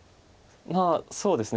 まあそうですね。